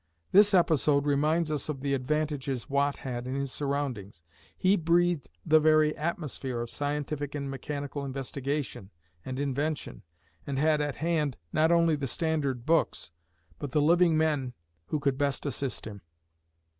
This episode reminds us of the advantages Watt had in his surroundings. He breathed the very "atmosphere" of scientific and mechanical investigation and invention, and had at hand not only the standard books, but the living men who could best assist him.